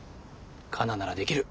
カナならできる。